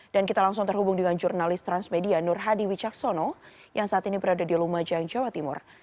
dan kita langsung terhubung dengan jurnalis transmedia nur hadi wicaksono yang saat ini berada di lumajang jawa timur